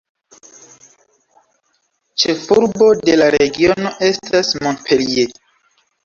Ĉefurbo de la regiono estas Montpellier.